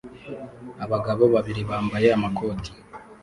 Abagabo babiri bambaye amakoti